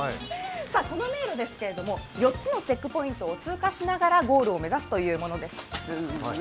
この迷路ですが４つのチェックポイントを通過しながらゴールを目指すというものです。